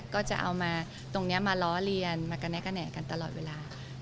ก็จะเอามาตรงนี้มาล้อเลียนมากระแนะกระแหน่กันตลอดเวลา